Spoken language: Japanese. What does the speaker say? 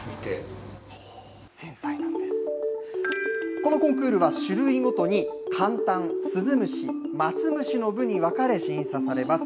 このコンクールは種類ごとに、カンタン、スズムシ、マツムシの部に分かれ、審査されます。